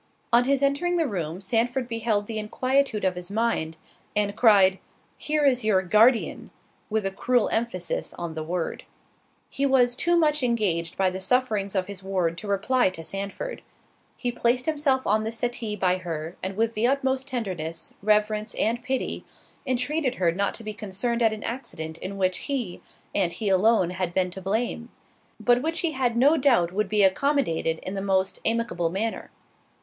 On his entering the room Sandford beheld the inquietude of his mind, and cried, "Here is your Guardian," with a cruel emphasis on the word. He was too much engaged by the sufferings of his ward to reply to Sandford. He placed himself on the settee by her, and with the utmost tenderness, reverence, and pity, entreated her not to be concerned at an accident in which he, and he alone, had been to blame; but which he had no doubt would be accommodated in the most amicable manner.